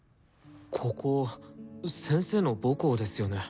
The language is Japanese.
ここ先生の母校ですよね？